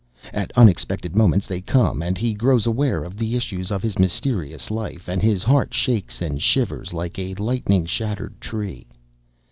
At unexpected moments they come, and he grows aware of the issues of his mysterious life, and his heart shakes and shivers like a lightning shattered tree.